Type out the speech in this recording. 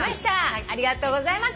ありがとうございます。